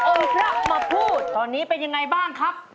โจเซ่อมพระมาพูดตอนนี้เป็นอย่างไรบ้างครับ